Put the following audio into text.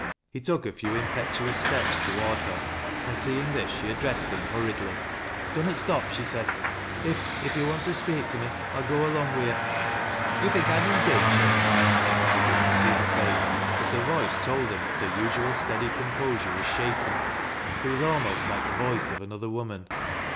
He took a few impetuous step) toward her , and seeing this, she addressed him hurriedly. " Dunnot stop," she said. " If — if yo' want to speak U me, I'll go along wi' yo'." " You think I'm in danger ?" He could not see her face, but her voice told him that her usual steady composure was shaken — it was almost like the voice of another woman.